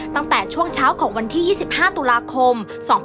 ตั้งแต่ช่วงเช้าของวันที่๒๕ตุลาคม๒๕๖๒